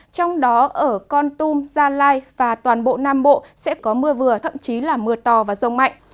trong đó ở con tum gia lai và toàn bộ nam bộ sẽ có mưa vừa thậm chí là mưa to và rông mạnh